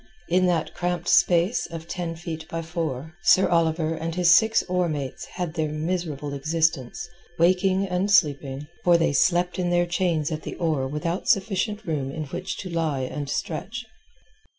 In that cramped space of ten feet by four, Sir Oliver and his six oar mates had their miserable existence, waking and sleeping—for they slept in their chains at the oar without sufficient room in which to lie at stretch.